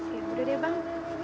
ya udah deh bang